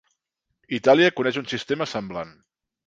Itàlia coneix un sistema semblant.